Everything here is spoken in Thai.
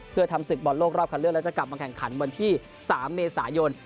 เพื่อทำศึกบอลโลกรอบคันเลือกแล้วจะกลับมาแข่งขันวันที่๓เมษายน